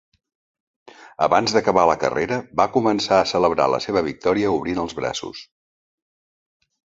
Abans d'acabar la carrera, va començar a celebrar la seva victòria obrint els braços.